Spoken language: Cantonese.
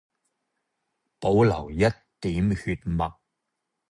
保留一點血脈